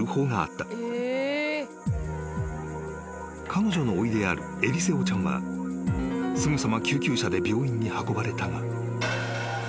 ［彼女のおいであるエリセオちゃんはすぐさま救急車で病院に運ばれたがあえなく］